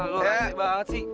lo rahasia banget sih